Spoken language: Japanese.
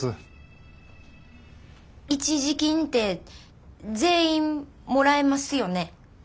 一時金って全員もらえますよね？